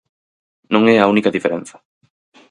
Non é a única diferenza.